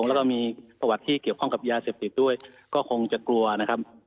แล้วก็มีประวัติที่เกี่ยวข้องกับยาเสพติดด้วยก็คงจะกลัวนะครับ